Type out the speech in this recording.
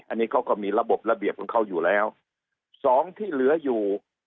อันนี้เขาก็มีระบบระเบียบของเขาอยู่แล้วสองที่เหลืออยู่